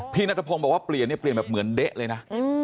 นัทพงศ์บอกว่าเปลี่ยนเนี่ยเปลี่ยนแบบเหมือนเด๊ะเลยนะ